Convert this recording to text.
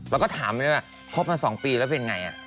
เราก็ถามด้วยว่าพบมา๒ปีแล้วเป็นอย่างไร